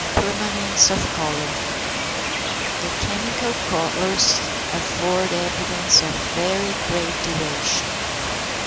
PERMANENCE OF COLOUR. 714. The chemical colours afford evidence of very great duration.